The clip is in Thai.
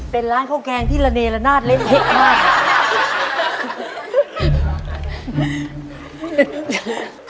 เป็นร้านข้าวแกงที่ระเนละนาดเล็กมาก